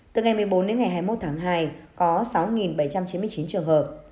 từ ngày một mươi bốn đến ngày hai mươi một tháng hai có sáu bảy trăm chín mươi chín trường hợp